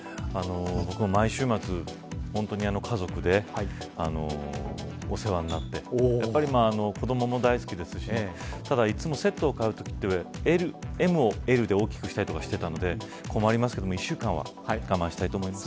僕も毎週末、家族でお世話になって子どもも大好きですしただいつもセットを買うときはＭを大きくしたりとかしてたので困りますが１週間は我慢したいと思います。